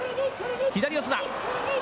左四つだ。